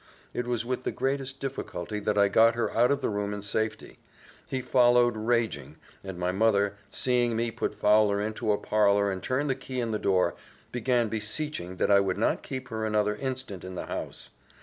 It was with the greatest difficulty that I got her out of the room in safety: he followed, raging; and my mother, seeing me put Fowler into a parlour, and turn the key in the door, began beseeching that I would not keep her another instant in the house.